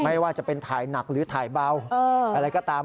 ไม่ว่าจะเป็นถ่ายหนักหรือถ่ายเบาอะไรก็ตาม